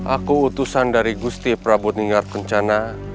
aku utusan dari gusti prabu ninggar kencana